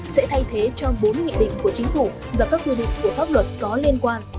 sẽ thay thế trong bốn nghị định của chính phủ và các quy định của pháp luật có liên quan